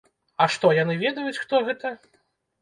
А што, яны ведаюць, хто гэта?